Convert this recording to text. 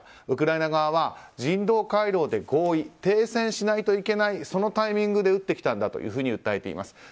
ウクライナ側は人道回廊で合意停戦しないといけないそのタイミングで撃ってきたんだと訴えています。